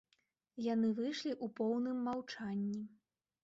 Яны выйшлі ў поўным маўчанні.